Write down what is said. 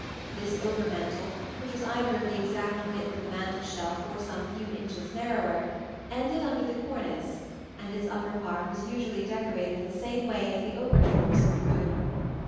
This over mantel, which was either of the exact width of the mantel shelf or some few inches narrower, ended under the cornice, and its upper part was usually decorated in the same way as the over doors in the room.